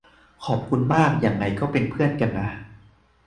ขอบคุณมาก ยังไงก็เป็นเพื่อนกันนะ